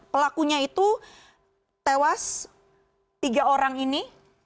pelakunya itu tewas tiga orang ini